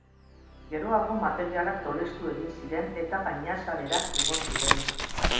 Geroago materialak tolestu egin ziren eta gainazalera igo ziren.